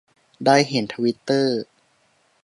ได้เห็นทวิตเตอร์